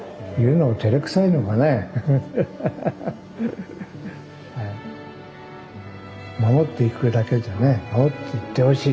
守っていくだけじゃね守っていってほしいっちゅうことですね。